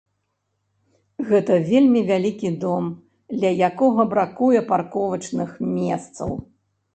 Гэта вельмі вялікі дом, ля якога бракуе парковачных месцаў.